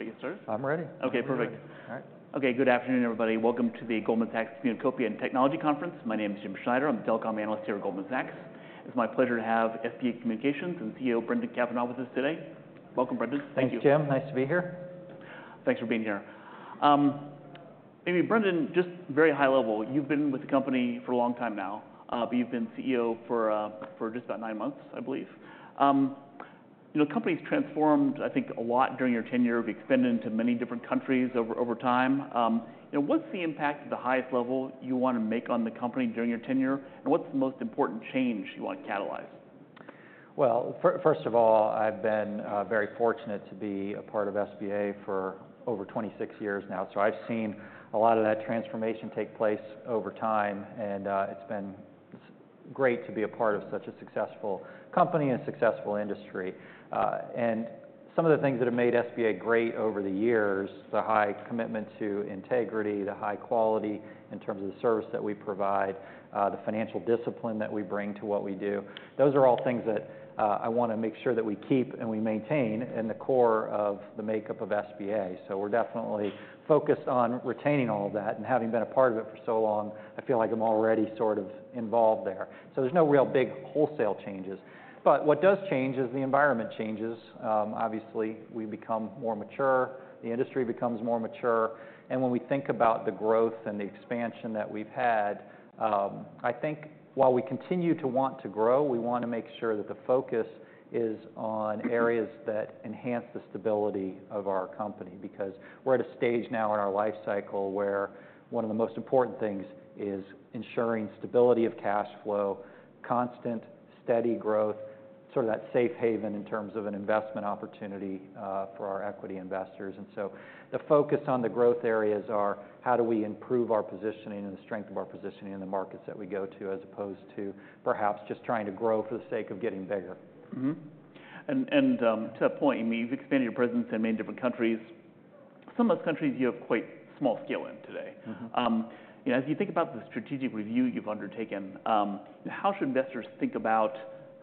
Ready to start? I'm ready. Okay, perfect. All right. Okay, good afternoon, everybody. Welcome to the Goldman Sachs Communacopia & Technology Conference. My name is Jim Schneider. I'm the telecom analyst here at Goldman Sachs. It's my pleasure to have SBA Communications and CEO Brendan Cavanagh with us today. Welcome, Brendan. Thank you, Jim. Nice to be here. Thanks for being here. Maybe Brendan, just very high level, you've been with the company for a long time now, but you've been CEO for just about nine months, I believe. You know, the company's transformed, I think, a lot during your tenure. We've expanded into many different countries over time. You know, what's the impact at the highest level you want to make on the company during your tenure, and what's the most important change you want to catalyze? First of all, I've been very fortunate to be a part of SBA for over 26 years now. I've seen a lot of that transformation take place over time, and it's been great to be a part of such a successful company and successful industry. Some of the things that have made SBA great over the years, the high commitment to integrity, the high quality in terms of the service that we provide, the financial discipline that we bring to what we do, those are all things that I want to make sure that we keep and we maintain in the core of the makeup of SBA. We're definitely focused on retaining all of that, and having been a part of it for so long, I feel like I'm already sort of involved there. So there's no real big wholesale changes. But what does change is the environment changes. Obviously, we become more mature, the industry becomes more mature, and when we think about the growth and the expansion that we've had, I think while we continue to want to grow, we want to make sure that the focus is on areas that enhance the stability of our company, because we're at a stage now in our life cycle where one of the most important things is ensuring stability of cash flow, constant, steady growth, sort of that safe haven in terms of an investment opportunity, for our equity investors. And so the focus on the growth areas are how do we improve our positioning and the strength of our positioning in the markets that we go to, as opposed to perhaps just trying to grow for the sake of getting bigger. Mm-hmm. And to that point, I mean, you've expanded your presence in many different countries. Some of those countries you have quite small scale in today. Mm-hmm. You know, as you think about the strategic review you've undertaken, how should investors think about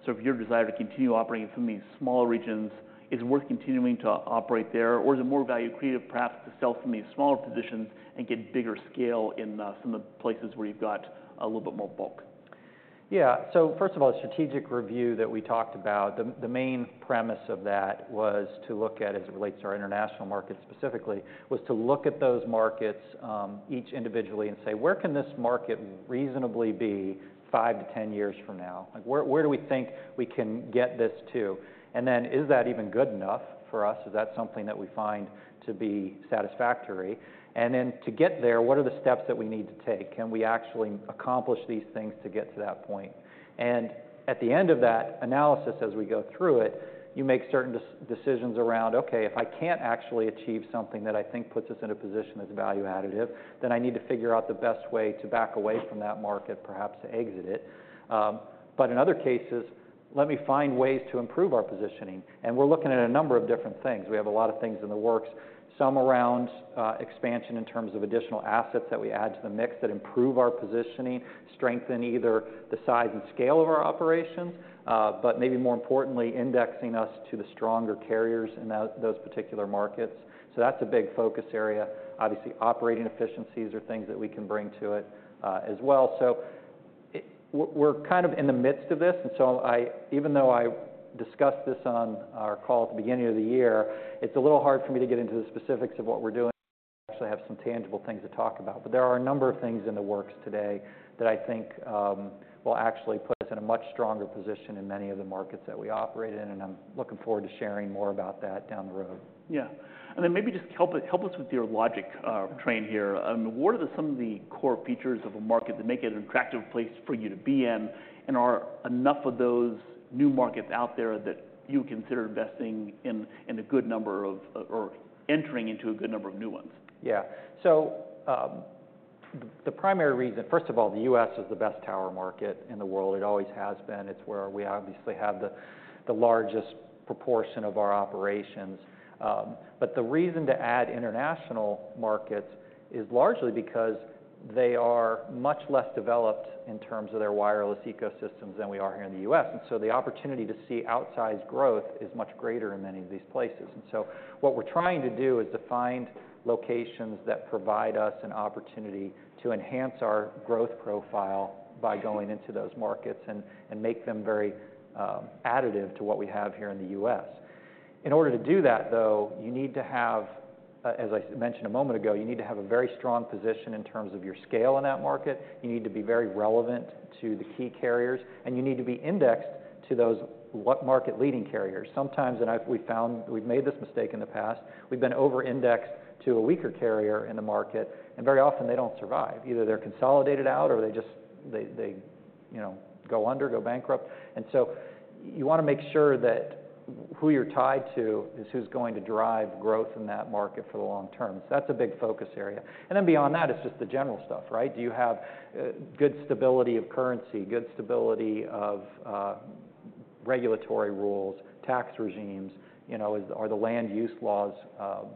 sort of your desire to continue operating from these smaller regions? Is it worth continuing to operate there, or is it more value accretive, perhaps, to sell from these smaller positions and get bigger scale in some of the places where you've got a little bit more bulk? Yeah. So first of all, strategic review that we talked about, the main premise of that was to look at, as it relates to our international market specifically, was to look at those markets, each individually and say: Where can this market reasonably be five to 10 years from now? Like, where, where do we think we can get this to? And then, is that even good enough for us? Is that something that we find to be satisfactory? And then to get there, what are the steps that we need to take? Can we actually accomplish these things to get to that point? And at the end of that analysis, as we go through it, you make certain decisions around, okay, if I can't actually achieve something that I think puts us in a position that's value additive, then I need to figure out the best way to back away from that market, perhaps to exit it, but in other cases, let me find ways to improve our positioning, and we're looking at a number of different things. We have a lot of things in the works, some around expansion in terms of additional assets that we add to the mix that improve our positioning, strengthen either the size and scale of our operations, but maybe more importantly, indexing us to the stronger carriers in those particular markets, so that's a big focus area. Obviously, operating efficiencies are things that we can bring to it, as well. We're kind of in the midst of this, and so even though I discussed this on our call at the beginning of the year, it's a little hard for me to get into the specifics of what we're doing, so I have some tangible things to talk about, but there are a number of things in the works today that I think will actually put us in a much stronger position in many of the markets that we operate in, and I'm looking forward to sharing more about that down the road. Yeah. And then maybe just help us with your logic train here. What are some of the core features of a market that make it an attractive place for you to be in? And are enough of those new markets out there that you consider investing in a good number of or entering into a good number of new ones? Yeah. So, the primary reason, first of all, the U.S. is the best tower market in the world. It always has been. It's where we obviously have the largest proportion of our operations. But the reason to add international markets is largely because they are much less developed in terms of their wireless ecosystems than we are here in the U.S., and so the opportunity to see outsized growth is much greater in many of these places, and so what we're trying to do is to find locations that provide us an opportunity to enhance our growth profile by going into those markets and make them very additive to what we have here in the U.S. In order to do that, though, you need to have, as I mentioned a moment ago, you need to have a very strong position in terms of your scale in that market. You need to be very relevant to the key carriers, and you need to be indexed to those what market leading carriers. Sometimes, and we've found we've made this mistake in the past, we've been over-indexed to a weaker carrier in the market, and very often they don't survive. Either they're consolidated out or they just, you know, go under, go bankrupt. And so you want to make sure that who you're tied to is who's going to drive growth in that market for the long term. So that's a big focus area. And then beyond that, it's just the general stuff, right? Do you have good stability of currency, good stability of regulatory rules, tax regimes? You know, are the land use laws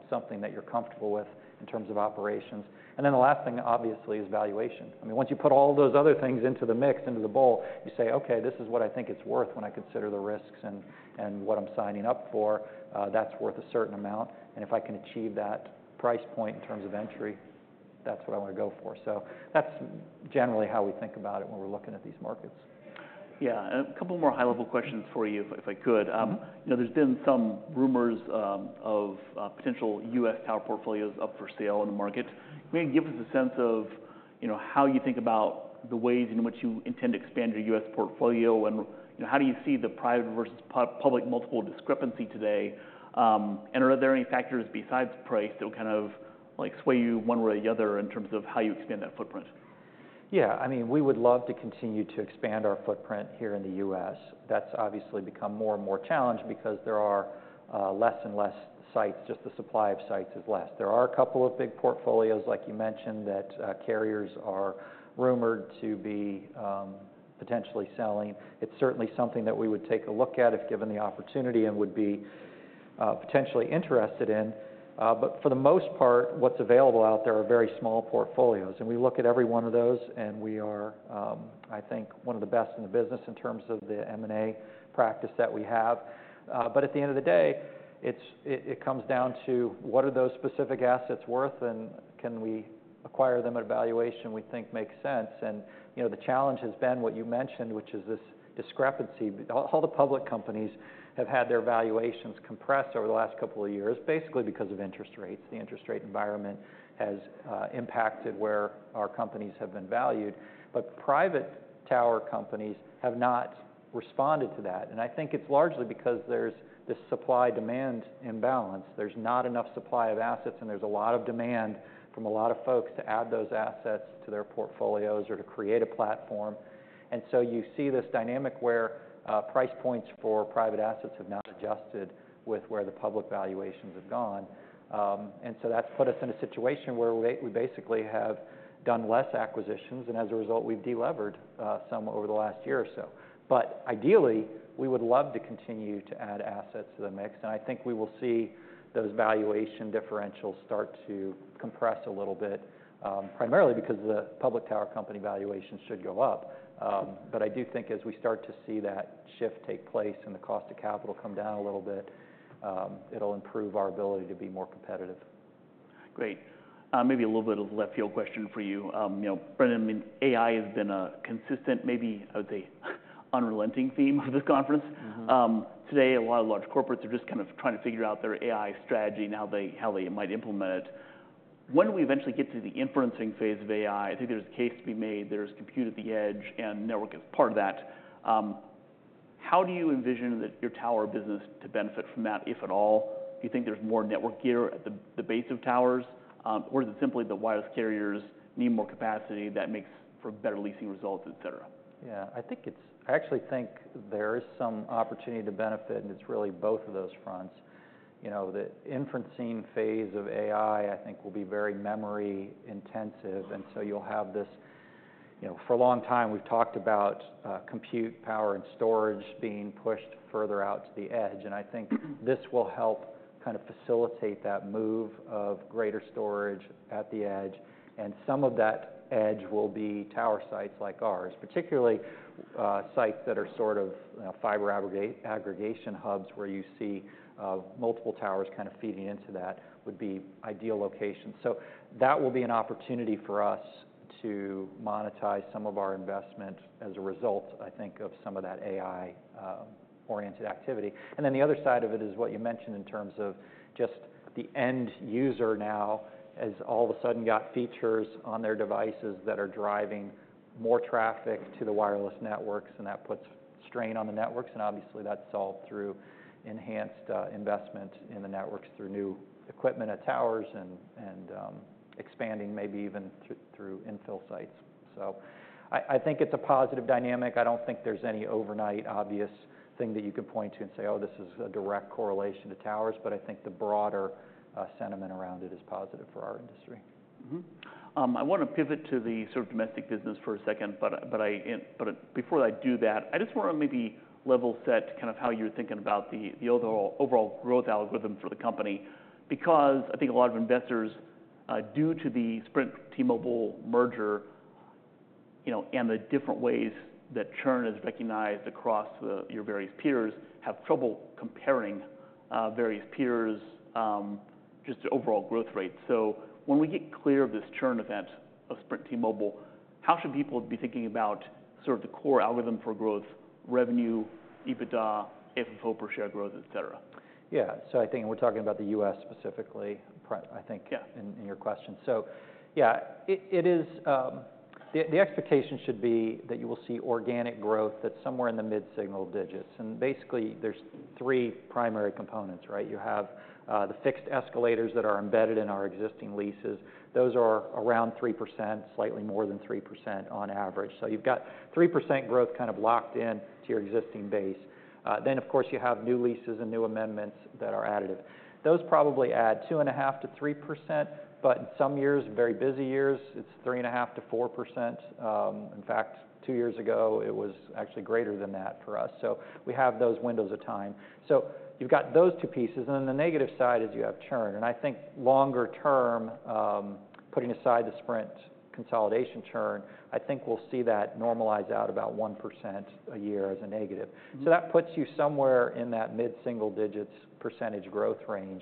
something that you're comfortable with in terms of operations? And then the last thing, obviously, is valuation. I mean, once you put all those other things into the mix, into the bowl, you say: Okay, this is what I think it's worth when I consider the risks and what I'm signing up for, that's worth a certain amount, and if I can achieve that price point in terms of entry... that's what I want to go for. So that's generally how we think about it when we're looking at these markets. Yeah, and a couple more high-level questions for you, if I could. Mm-hmm. You know, there's been some rumors of potential U.S. tower portfolios up for sale in the market. May you give us a sense of, you know, how you think about the ways in which you intend to expand your U.S. portfolio, and, you know, how do you see the private versus public multiple discrepancy today? And are there any factors besides price that would kind of, like, sway you one way or the other in terms of how you expand that footprint? Yeah, I mean, we would love to continue to expand our footprint here in the U.S. That's obviously become more and more challenged because there are, less and less sites, just the supply of sites is less. There are a couple of big portfolios, like you mentioned, that, carriers are rumored to be, potentially selling. It's certainly something that we would take a look at if given the opportunity, and would be, potentially interested in. But for the most part, what's available out there are very small portfolios, and we look at every one of those, and we are, I think, one of the best in the business in terms of the M&A practice that we have. But at the end of the day, it comes down to what are those specific assets worth, and can we acquire them at a valuation we think makes sense? And, you know, the challenge has been what you mentioned, which is this discrepancy. All the public companies have had their valuations compressed over the last couple of years, basically because of interest rates. The interest rate environment has impacted where our companies have been valued, but private tower companies have not responded to that, and I think it's largely because there's this supply-demand imbalance. There's not enough supply of assets, and there's a lot of demand from a lot of folks to add those assets to their portfolios or to create a platform. You see this dynamic where price points for private assets have not adjusted with where the public valuations have gone. That's put us in a situation where we basically have done less acquisitions, and as a result, we've delevered some over the last year or so. Ideally, we would love to continue to add assets to the mix, and I think we will see those valuation differentials start to compress a little bit, primarily because the public tower company valuations should go up. I do think as we start to see that shift take place and the cost of capital come down a little bit, it'll improve our ability to be more competitive. Great. Maybe a little bit of a left field question for you. You know, Brendan, I mean, AI has been a consistent, maybe, I would say, unrelenting theme of this conference. Mm-hmm. Today, a lot of large corporates are just kind of trying to figure out their AI strategy and how they might implement it. When we eventually get to the inferencing phase of AI, I think there's a case to be made, there's compute at the edge and network as part of that. How do you envision your tower business to benefit from that, if at all? Do you think there's more network gear at the base of towers, or is it simply the wireless carriers need more capacity that makes for better leasing results, et cetera? Yeah. I think it's. I actually think there is some opportunity to benefit, and it's really both of those fronts. You know, the inferencing phase of AI, I think, will be very memory intensive, and so you'll have this. You know, for a long time, we've talked about compute power and storage being pushed further out to the edge, and I think this will help kind of facilitate that move of greater storage at the edge, and some of that edge will be tower sites like ours. Particularly, sites that are sort of fiber aggregation hubs, where you see multiple towers kind of feeding into that, would be ideal locations, so that will be an opportunity for us to monetize some of our investment as a result, I think, of some of that AI oriented activity. And then the other side of it is what you mentioned in terms of just the end user now, has all of a sudden got features on their devices that are driving more traffic to the wireless networks, and that puts strain on the networks. And obviously, that's solved through enhanced investment in the networks, through new equipment at towers and expanding, maybe even through infill sites. So I think it's a positive dynamic. I don't think there's any overnight obvious thing that you could point to and say, "Oh, this is a direct correlation to towers." But I think the broader sentiment around it is positive for our industry. Mm-hmm. I want to pivot to the sort of domestic business for a second, but before I do that, I just want to maybe level set kind of how you're thinking about the overall growth algorithm for the company. Because I think a lot of investors, due to the Sprint-T-Mobile merger, you know, and the different ways that churn is recognized across your various peers, have trouble comparing various peers just the overall growth rate. So when we get clear of this churn event of Sprint-T-Mobile, how should people be thinking about sort of the core algorithm for growth, revenue, EBITDA, AFFO per share growth, et cetera? Yeah. So I think we're talking about the U.S. specifically. Yeah In your question. So yeah, it is the expectation should be that you will see organic growth that's somewhere in the mid-single digits. And basically, there's three primary components, right? You have the fixed escalators that are embedded in our existing leases. Those are around 3%, slightly more than 3% on average. So you've got 3% growth kind of locked in to your existing base. Then, of course, you have new leases and new amendments that are additive. Those probably add 2.5%-3%, but in some years, very busy years, it's 3.5%-4%. In fact, two years ago, it was actually greater than that for us. So we have those windows of time. So you've got those two pieces, and then the negative side is you have churn. I think longer term, putting aside the Sprint consolidation churn, I think we'll see that normalize out about 1% a year as a negative. Mm-hmm. So that puts you somewhere in that mid-single digits percentage growth range,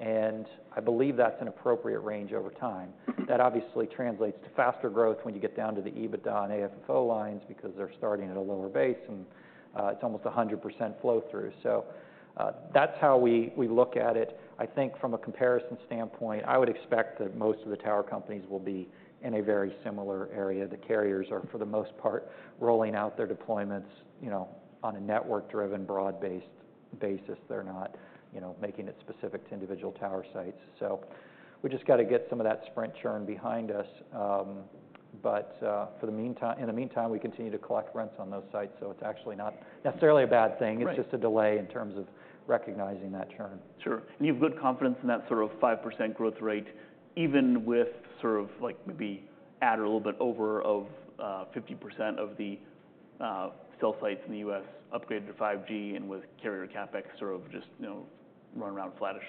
and I believe that's an appropriate range over time. That obviously translates to faster growth when you get down to the EBITDA and AFFO lines, because they're starting at a lower base, and it's almost 100% flow-through. So, that's how we look at it. I think from a comparison standpoint, I would expect that most of the tower companies will be in a very similar area. The carriers are, for the most part, rolling out their deployments, you know, on a network-driven, broad-based basis. They're not, you know, making it specific to individual tower sites. So we just got to get some of that Sprint churn behind us. But in the meantime, we continue to collect rents on those sites, so it's actually not necessarily a bad thing. Right. It's just a delay in terms of recognizing that churn. Sure. And you have good confidence in that sort of 5% growth rate, even with sort of like maybe add a little bit over of, 50% of the, cell sites in the U.S. upgraded to 5G and with carrier CapEx sort of just, you know, run around flattish?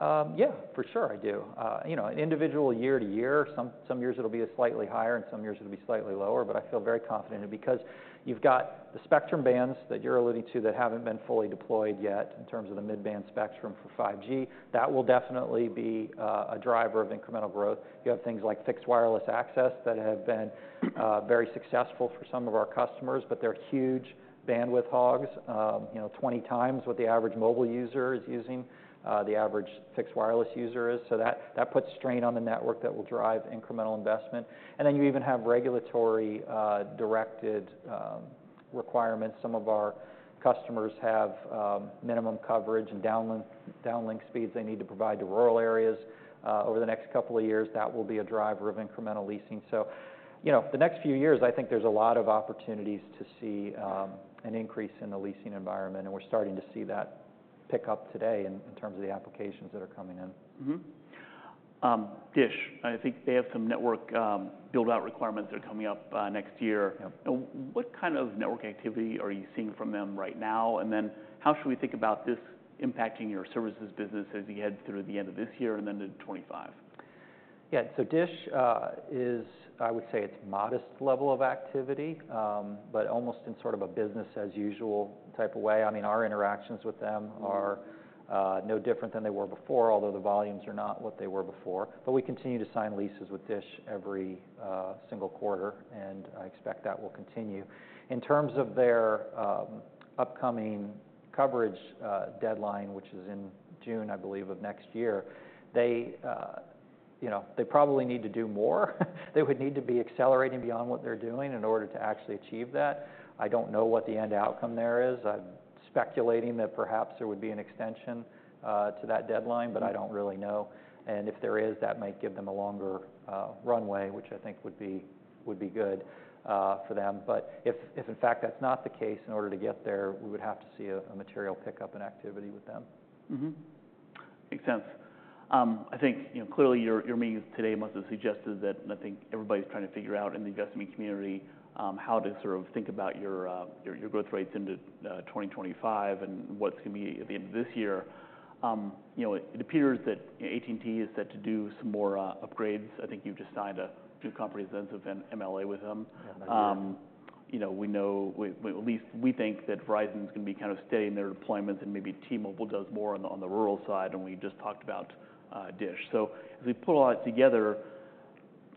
Yeah, for sure I do. You know, an individual year-to-year, some years it'll be slightly higher, and some years it'll be slightly lower, but I feel very confident. Because you've got the spectrum bands that you're alluding to that haven't been fully deployed yet in terms of the mid-band spectrum for 5G, that will definitely be a driver of incremental growth. You have things like fixed wireless access that have been very successful for some of our customers, but they're huge bandwidth hogs, you know, 20x what the average mobile user is using, the average fixed wireless user is, so that puts strain on the network that will drive incremental investment. And then you even have regulatory directed requirements. Some of our customers have minimum coverage and downlink speeds they need to provide to rural areas. Over the next couple of years, that will be a driver of incremental leasing. So, you know, the next few years, I think there's a lot of opportunities to see an increase in the leasing environment, and we're starting to see that pick up today in terms of the applications that are coming in. Mm-hmm. Dish, I think they have some network build-out requirements that are coming up next year. Yeah. What kind of network activity are you seeing from them right now? And then how should we think about this impacting your services business as we head through the end of this year and then to 2025? Yeah. So Dish is. I would say it's modest level of activity, but almost in sort of a business as usual type of way. I mean, our interactions with them are no different than they were before, although the volumes are not what they were before. But we continue to sign leases with Dish every single quarter, and I expect that will continue. In terms of their upcoming coverage deadline, which is in June, I believe, of next year, they, you know, they probably need to do more. They would need to be accelerating beyond what they're doing in order to actually achieve that. I don't know what the end outcome there is. I'm speculating that perhaps there would be an extension to that deadline, but I don't really know. If there is, that might give them a longer runway, which I think would be good for them. But if, in fact, that's not the case, in order to get there, we would have to see a material pickup in activity with them. Mm-hmm. Makes sense. I think, you know, clearly, your meetings today must have suggested that, and I think everybody's trying to figure out in the investment community how to sort of think about your growth rates into 2025 and what's going to be at the end of this year. You know, it appears that AT&T is set to do some more upgrades. I think you've just signed a new comprehensive MLA with them. Yeah, MLA. You know, we know we at least think that Verizon's gonna be kind of steady in their deployments, and maybe T-Mobile does more on the rural side, and we just talked about Dish. So as we put a lot together,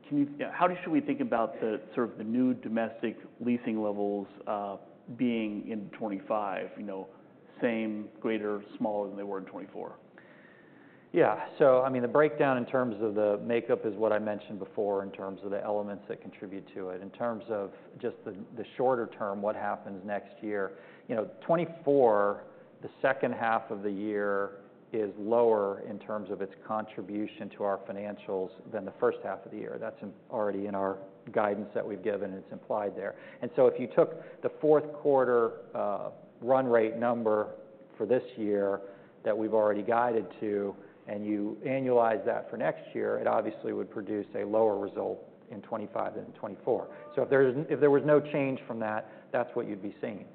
can you... How should we think about sort of the new domestic leasing levels being in 2025? You know, same, greater, smaller than they were in 2024. Yeah. So I mean, the breakdown in terms of the makeup is what I mentioned before, in terms of the elements that contribute to it. In terms of just the shorter term, what happens next year, you know, 2024, the second half of the year, is lower in terms of its contribution to our financials than the first half of the year. That's already in our guidance that we've given, it's implied there. And so if you took the fourth quarter run rate number for this year that we've already guided to, and you annualize that for next year, it obviously would produce a lower result in 2025 than 2024. So if there was no change from that, that's what you'd be seeing.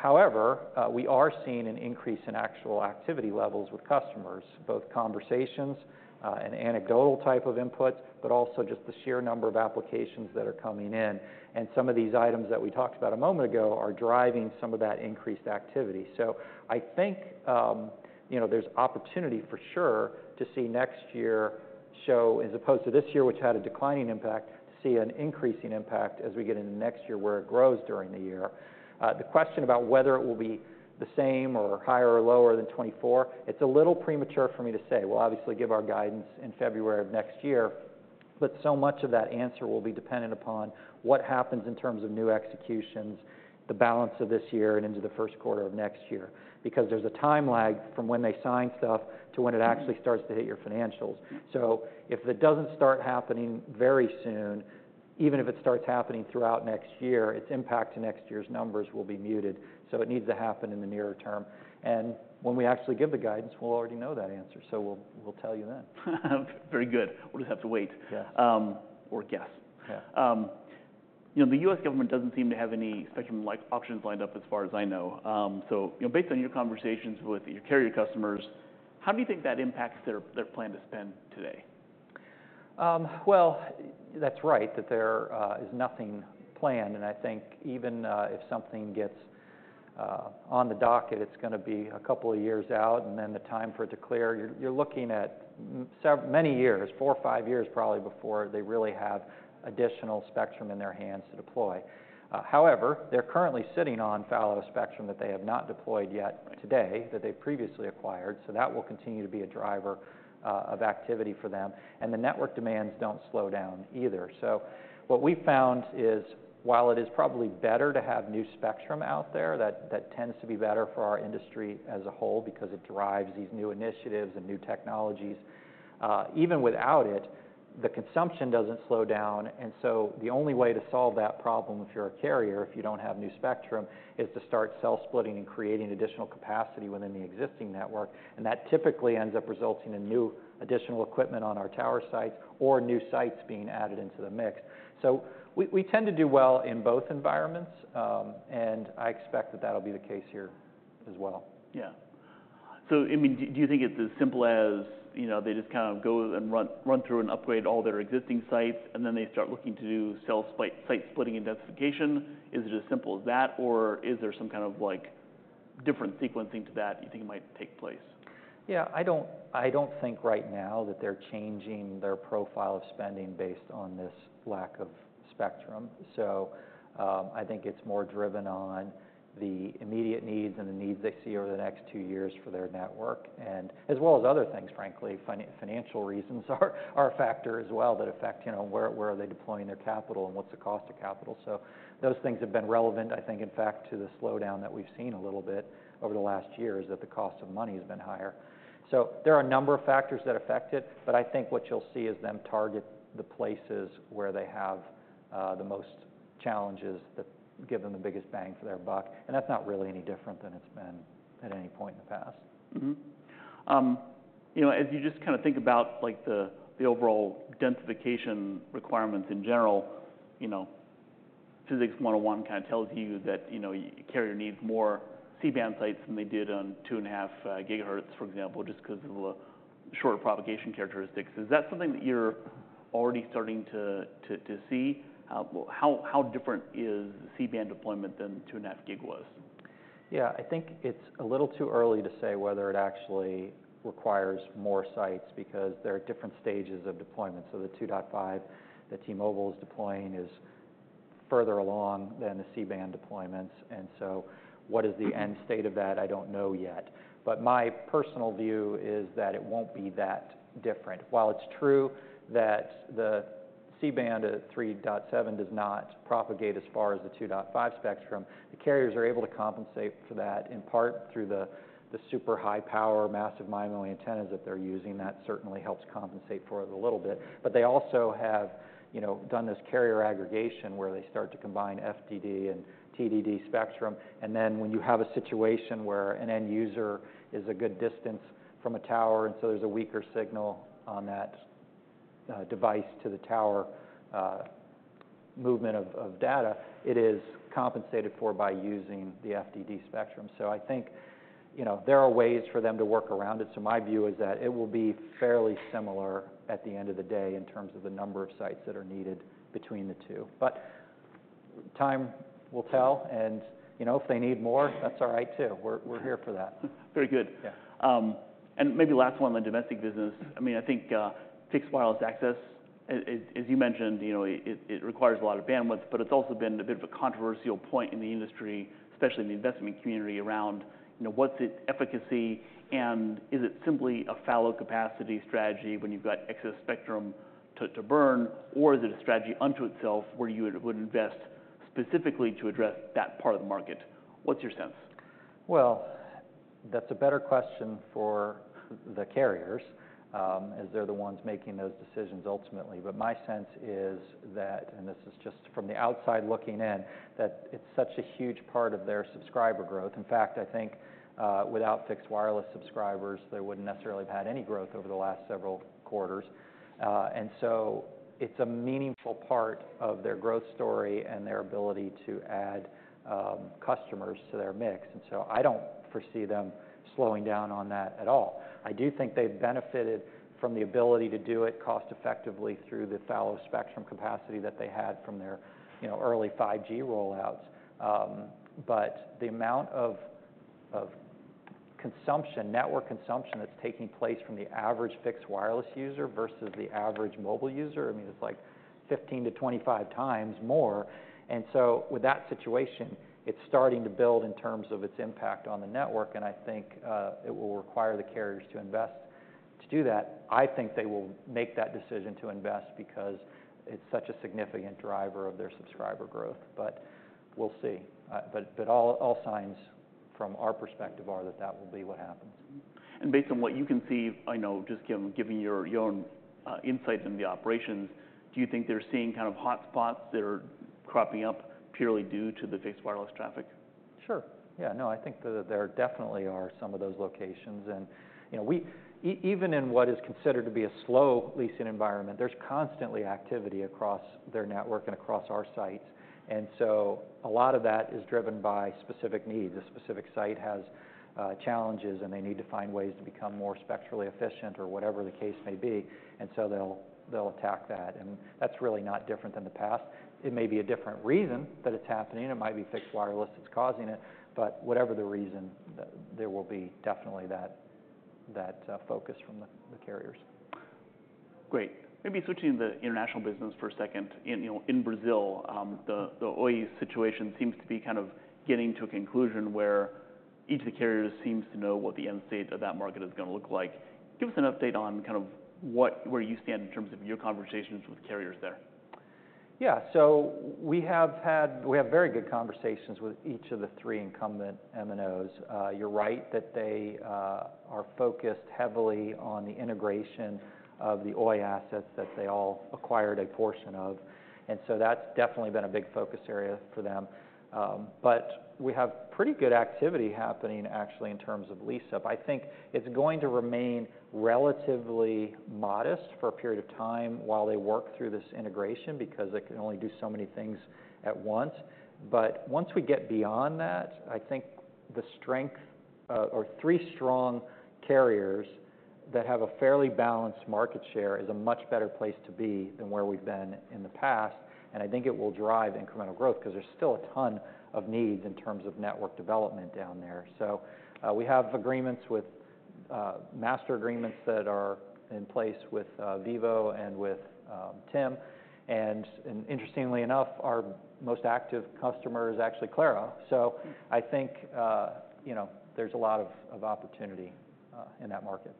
However, we are seeing an increase in actual activity levels with customers, both conversations and anecdotal type of inputs, but also just the sheer number of applications that are coming in, and some of these items that we talked about a moment ago are driving some of that increased activity, so I think, you know, there's opportunity for sure to see next year show, as opposed to this year, which had a declining impact, to see an increasing impact as we get into next year, where it grows during the year. The question about whether it will be the same or higher or lower than 2024, it's a little premature for me to say. We'll obviously give our guidance in February of next year, but so much of that answer will be dependent upon what happens in terms of new executions, the balance of this year and into the first quarter of next year. Because there's a time lag from when they sign stuff to when it actually starts to hit your financials. Mm-hmm. If it doesn't start happening very soon, even if it starts happening throughout next year, its impact to next year's numbers will be muted, so it needs to happen in the nearer term. When we actually give the guidance, we'll already know that answer, so we'll tell you then. Very good. We'll just have to wait. Yeah. Or guess. Yeah. You know, the U.S. government doesn't seem to have any spectrum like options lined up, as far as I know. So you know, based on your conversations with your carrier customers, how do you think that impacts their plan to spend today? That's right, that there is nothing planned, and I think even if something gets on the docket, it's gonna be a couple of years out, and then the time for it to clear. You're looking at many years, four or five years, probably, before they really have additional spectrum in their hands to deploy. However, they're currently sitting on fallow spectrum that they have not deployed yet today, that they previously acquired, so that will continue to be a driver of activity for them, and the network demands don't slow down either, so what we've found is, while it is probably better to have new spectrum out there, that tends to be better for our industry as a whole because it drives these new initiatives and new technologies. Even without it, the consumption doesn't slow down, and so the only way to solve that problem if you're a carrier, if you don't have new spectrum, is to start cell splitting and creating additional capacity within the existing network, and that typically ends up resulting in new additional equipment on our tower sites or new sites being added into the mix, so we tend to do well in both environments, and I expect that that'll be the case here as well. Yeah. So, I mean, do you think it's as simple as, you know, they just kind of go and run through and upgrade all their existing sites, and then they start looking to do cell splitting and densification? Is it as simple as that, or is there some kind of, like, different sequencing to that you think might take place? Yeah, I don't think right now that they're changing their profile of spending based on this lack of spectrum. So, I think it's more driven on the immediate needs and the needs they see over the next two years for their network and as well as other things, frankly. Financial reasons are a factor as well, that affect, you know, where are they deploying their capital and what's the cost of capital? So those things have been relevant. I think, in fact, to the slowdown that we've seen a little bit over the last year, is that the cost of money has been higher. There are a number of factors that affect it, but I think what you'll see is them target the places where they have the most challenges, that give them the biggest bang for their buck, and that's not really any different than it's been at any point in the past. Mm-hmm. You know, as you just kind of think about, like, the overall densification requirements in general, you know, Physics 101 kind of tells you that, you know, a carrier needs more C-band sites than they did on 2.5 GHz, for example, just 'cause of the short propagation characteristics. Is that something that you're already starting to see? How different is C-band deployment than 2.5 GHz was? Yeah, I think it's a little too early to say whether it actually requires more sites, because there are different stages of deployment. So the 2.5 GHz that T-Mobile is deploying is further along than the C-band deployments, and so what is the end state of that? I don't know yet, but my personal view is that it won't be that different. While it's true that the C-band at 3.7 does not propagate as far as the 2.5 spectrum, the carriers are able to compensate for that, in part, through the super high-power massive MIMO antennas that they're using. That certainly helps compensate for it a little bit. But they also have, you know, done this carrier aggregation, where they start to combine FDD and TDD spectrum, and then when you have a situation where an end user is a good distance from a tower, and so there's a weaker signal on that device to the tower, movement of data, it is compensated for by using the FDD spectrum, so I think, you know, there are ways for them to work around it, so my view is that it will be fairly similar at the end of the day in terms of the number of sites that are needed between the two, but time will tell, and, you know, if they need more, that's all right, too. We're here for that. Very good. Yeah. And maybe last one on the domestic business, I mean, I think, fixed wireless access as you mentioned, you know, it requires a lot of bandwidth, but it's also been a bit of a controversial point in the industry, especially in the investment community around, you know, what's its efficacy, and is it simply a fallow capacity strategy when you've got excess spectrum to burn? Or is it a strategy unto itself where you would invest specifically to address that part of the market? What's your sense? That's a better question for the carriers, as they're the ones making those decisions ultimately. But my sense is that, and this is just from the outside looking in, that it's such a huge part of their subscriber growth. In fact, I think, without fixed wireless subscribers, they wouldn't necessarily have had any growth over the last several quarters. And so it's a meaningful part of their growth story and their ability to add customers to their mix, and so I don't foresee them slowing down on that at all. I do think they've benefited from the ability to do it cost-effectively through the fallow spectrum capacity that they had from their, you know, early 5G rollouts. But the amount of consumption, network consumption that's taking place from the average fixed wireless user versus the average mobile user, I mean, it's like 15-25x more. And so with that situation, it's starting to build in terms of its impact on the network, and I think it will require the carriers to invest. To do that, I think they will make that decision to invest because it's such a significant driver of their subscriber growth. But we'll see. But all signs from our perspective are that that will be what happens. Mm-hmm. And based on what you can see, I know, just giving your own insights into the operations, do you think they're seeing kind of hotspots that are cropping up purely due to the fixed wireless traffic? Sure. Yeah, no, I think that there definitely are some of those locations. And, you know, we even in what is considered to be a slow leasing environment, there's constantly activity across their network and across our sites, and so a lot of that is driven by specific needs. A specific site has challenges, and they need to find ways to become more spectrally efficient or whatever the case may be, and so they'll attack that. And that's really not different than the past. It may be a different reason that it's happening. It might be fixed wireless that's causing it, but whatever the reason, there will definitely be that focus from the carriers. Great. Maybe switching to the international business for a second. You know, in Brazil, the Oi situation seems to be kind of getting to a conclusion where each of the carriers seems to know what the end state of that market is gonna look like. Give us an update on kind of what, where you stand in terms of your conversations with carriers there. Yeah. So we have very good conversations with each of the three incumbent MNOs. You're right, that they are focused heavily on the integration of the Oi assets that they all acquired a portion of, and so that's definitely been a big focus area for them. But we have pretty good activity happening actually, in terms of lease-up. I think it's going to remain relatively modest for a period of time while they work through this integration, because they can only do so many things at once. But once we get beyond that, I think the strength or three strong carriers that have a fairly balanced market share, is a much better place to be than where we've been in the past. I think it will drive incremental growth, 'cause there's still a ton of needs in terms of network development down there. We have master agreements that are in place with Vivo and with TIM. Interestingly enough, our most active customer is actually Claro. I think, you know, there's a lot of opportunity in that market.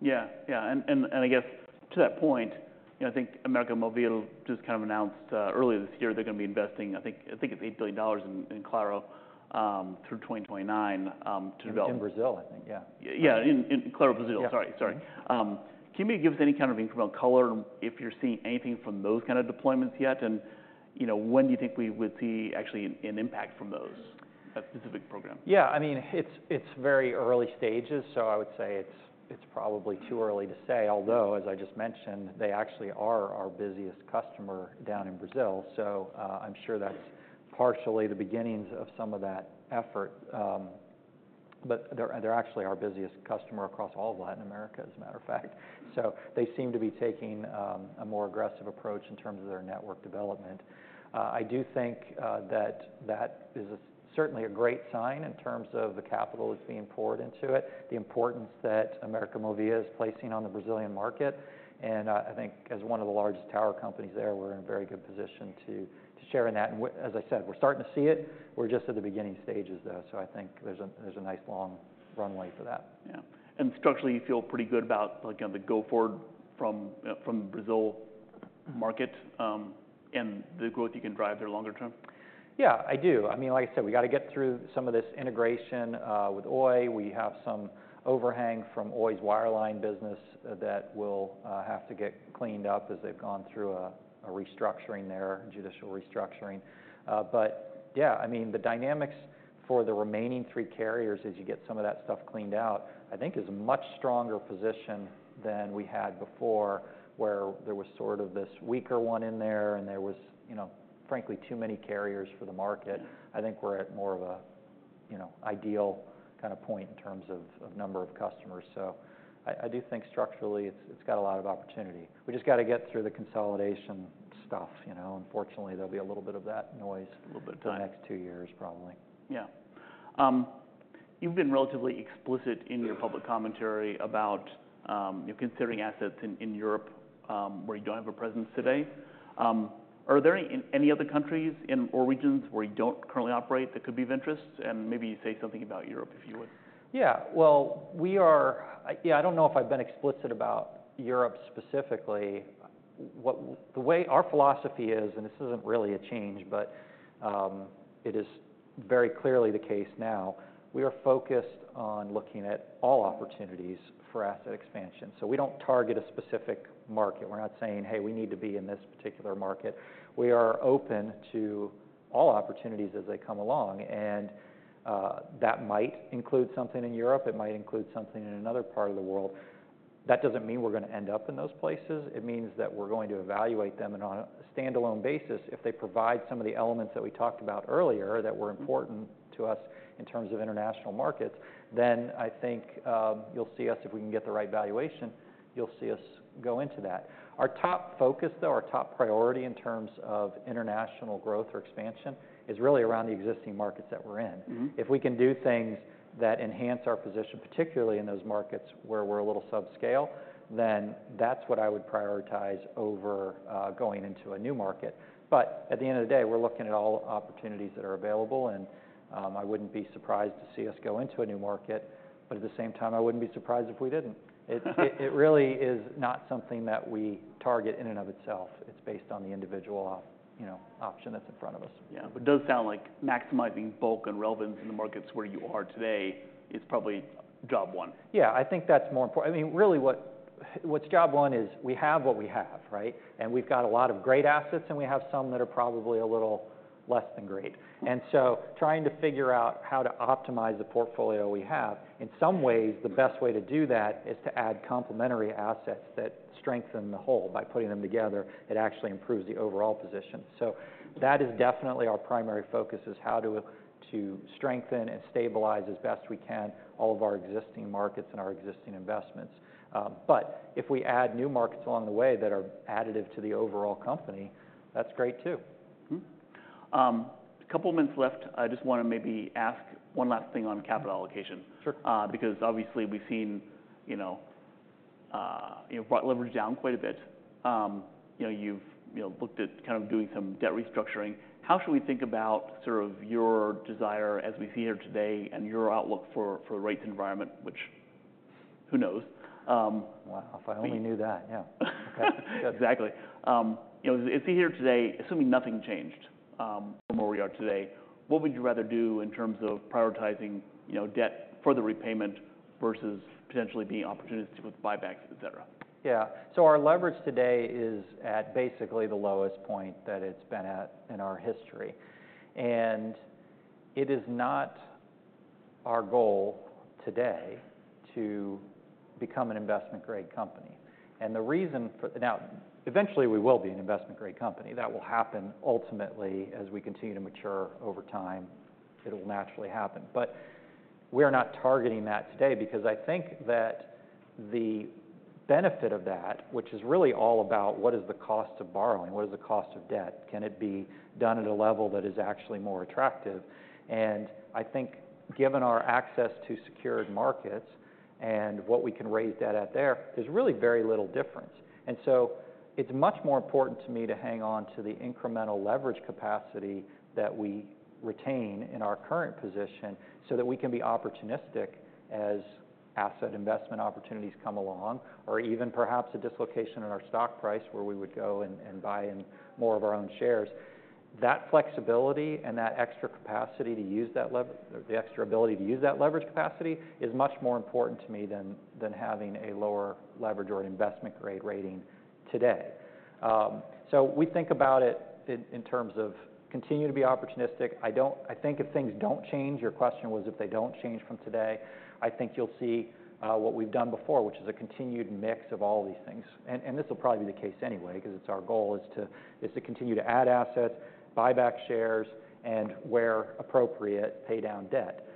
Yeah. Yeah, and I guess to that point, you know, I think América Móvil just kind of announced earlier this year, they're gonna be investing, I think it's $8 billion in Claro through 2029 to develop. In Brazil, I think. Yeah. Yeah, in Claro, Brazil. Yeah. Sorry. Sorry. Can you give us any kind of incremental color if you're seeing anything from those kind of deployments yet? And, you know, when do you think we would see actually an impact from those, that specific program? Yeah, I mean, it's very early stages, so I would say it's probably too early to say, although, as I just mentioned, they actually are our busiest customer down in Brazil. So, I'm sure that's partially the beginnings of some of that effort. But they're actually our busiest customer across all of Latin America, as a matter of fact. So they seem to be taking a more aggressive approach in terms of their network development. I do think that that is certainly a great sign in terms of the capital that's being poured into it, the importance that América Móvil is placing on the Brazilian market. And I think as one of the largest tower companies there, we're in a very good position to share in that. And as I said, we're starting to see it. We're just at the beginning stages, though, so I think there's a nice long runway for that. Yeah. And structurally, you feel pretty good about, like, the go forward from Brazil market, and the growth you can drive there longer term? Yeah, I do. I mean, like I said, we got to get through some of this integration with Oi. We have some overhang from Oi's wireline business that will have to get cleaned up as they've gone through a restructuring there, a judicial restructuring. But yeah, I mean, the dynamics for the remaining three carriers, as you get some of that stuff cleaned out, I think is a much stronger position than we had before, where there was sort of this weaker one in there, and there was, you know, frankly, too many carriers for the market. I think we're at more of a, you know, ideal kind of point in terms of number of customers. So I do think structurally, it's got a lot of opportunity. We just got to get through the consolidation stuff, you know. Unfortunately, there'll be a little bit of that noise A little bit of time. The next two years, probably. Yeah. You've been relatively explicit in your public commentary about you considering assets in Europe, where you don't have a presence today. Are there any other countries in, or regions, where you don't currently operate, that could be of interest? And maybe say something about Europe, if you would. Yeah. Well, we are. Yeah, I don't know if I've been explicit about Europe specifically. The way our philosophy is, and this isn't really a change, but it is very clearly the case now. We are focused on looking at all opportunities for asset expansion. So we don't target a specific market. We're not saying, "Hey, we need to be in this particular market." We are open to all opportunities as they come along, and that might include something in Europe, it might include something in another part of the world. That doesn't mean we're gonna end up in those places. It means that we're going to evaluate them. On a standalone basis, if they provide some of the elements that we talked about earlier, that were important to us in terms of international markets, then I think, you'll see us, if we can get the right valuation, you'll see us go into that. Our top focus, though, our top priority in terms of international growth or expansion, is really around the existing markets that we're in. Mm-hmm. If we can do things that enhance our position, particularly in those markets where we're a little subscale, then that's what I would prioritize over going into a new market. But at the end of the day, we're looking at all opportunities that are available, and I wouldn't be surprised to see us go into a new market, but at the same time, I wouldn't be surprised if we didn't. It really is not something that we target in and of itself. It's based on the individual, you know, option that's in front of us. Yeah, but it does sound like maximizing bulk and relevance in the markets where you are today is probably job one. Yeah, I think that's more important. I mean, really, what's job one is we have what we have, right? And we've got a lot of great assets, and we have some that are probably a little less than great. And so trying to figure out how to optimize the portfolio we have, in some ways, the best way to do that is to add complementary assets that strengthen the whole. By putting them together, it actually improves the overall position. So that is definitely our primary focus, is how to strengthen and stabilize as best we can, all of our existing markets and our existing investments. But if we add new markets along the way that are additive to the overall company, that's great, too. A couple of minutes left. I just want to maybe ask one last thing on capital allocation. Sure. Because obviously, we've seen, you know, you've brought leverage down quite a bit. You know, you've, you know, looked at kind of doing some debt restructuring. How should we think about sort of your desire as we sit here today and your outlook for the rates environment, which, who knows? Wow, if I only knew that, yeah. Exactly. You know, if we're here today, assuming nothing changed from where we are today, what would you rather do in terms of prioritizing, you know, debt for the repayment versus potentially being opportunistic with buybacks, et cetera? Yeah, so our leverage today is at basically the lowest point that it's been at in our history, and it is not our goal today to become an investment-grade company. Now, eventually, we will be an investment-grade company. That will happen ultimately, as we continue to mature over time, it'll naturally happen, but we are not targeting that today because I think that the benefit of that, which is really all about what is the cost of borrowing? What is the cost of debt? Can it be done at a level that is actually more attractive, and I think given our access to secured markets and what we can raise debt out there, there's really very little difference. And so it's much more important to me to hang on to the incremental leverage capacity that we retain in our current position, so that we can be opportunistic as asset investment opportunities come along, or even perhaps a dislocation in our stock price, where we would go and buy in more of our own shares. That flexibility and that extra capacity to use that leverage capacity is much more important to me than having a lower leverage or investment-grade rating today. So we think about it in terms of continuing to be opportunistic. I think if things don't change, your question was, if they don't change from today, I think you'll see what we've done before, which is a continued mix of all these things. This will probably be the case anyway, because it's our goal to continue to add assets, buy back shares, and where appropriate, pay down debt.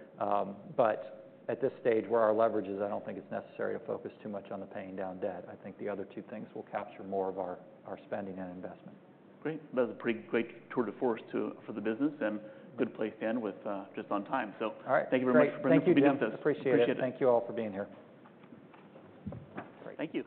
But at this stage, where our leverage is, I don't think it's necessary to focus too much on the paying down debt. I think the other two things will capture more of our spending and investment. Great. That was a pretty great tour de force to, for the business, and good place to end with, just on time. All right. Thank you very much for being with us. Thank you. Appreciate it. Appreciate it. Thank you all for being here. Great. Thank you.